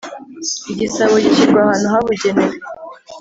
igisabo gishyirwa ahantu habugenewe